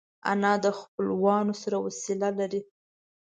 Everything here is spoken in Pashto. انا د خپلوانو سره وصله لري